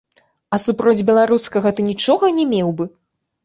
А супроць беларускага ты нічога не меў бы?!